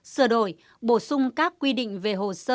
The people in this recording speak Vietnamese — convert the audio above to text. sửa đổi bổ sung các quy định về hồ sơ